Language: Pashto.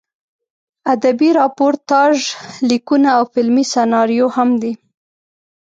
ادبي راپورتاژ لیکونه او فلمي سناریو هم دي.